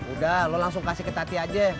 udah lu langsung kasih ke tati aja